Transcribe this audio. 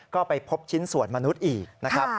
ก็ไปพบชิ้นส่วนมนุษย์อีกนะครับ